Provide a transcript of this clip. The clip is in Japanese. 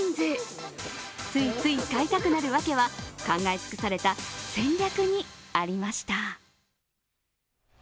ついつい買いたくなるわけは考え尽くされた戦略にありました。